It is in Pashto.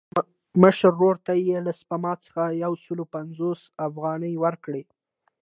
مشر ورور ته یې له سپما څخه یو سل پنځوس افغانۍ ورکړې.